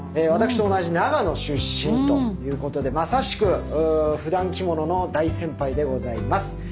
私と同じ長野出身ということでまさしくふだん着物の大先輩でございます。